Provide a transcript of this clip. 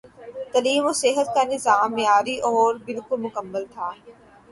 تعلیم اور صحت کا نظام معیاری اور بالکل مفت تھا۔